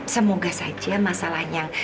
semoga saja masalahnya